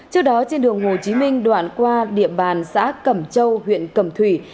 trước đó trên đường hồ chí minh đoạn qua địa bàn xã cẩm châu huyện cẩm thủy